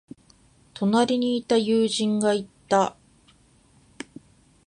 隣にいた友人が言った。